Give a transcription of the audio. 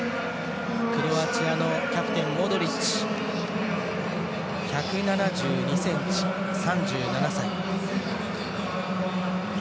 クロアチアのキャプテン、モドリッチ１７２ｃｍ、３７歳。